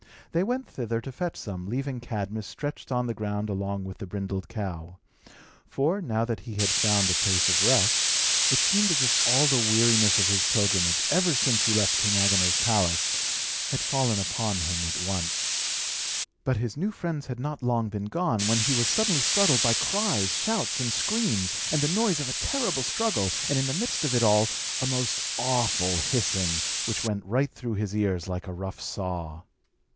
They went thither to fetch some, leaving Cadmus stretched on the ground along with the brindled cow; for, now that he had found a place of rest, it seemed as if all the weariness of his pilgrimage, ever since he left King Agenor's palace, had fallen upon him at once. But his new friends had not long been gone, when he was suddenly startled by cries, shouts, and screams, and the noise of a terrible struggle, and in the midst of it all, a most awful hissing, which went right through his ears like a rough saw.